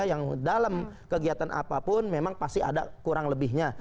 yang dalam kegiatan apapun memang pasti ada kurang lebihnya